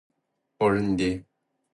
我是你爹！